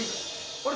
あれ？